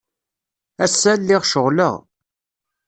Ass-a, lliɣ ceɣleɣ.